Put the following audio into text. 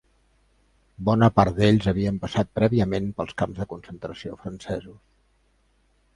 Bona part d'ells havien passat prèviament pels camps de concentració francesos.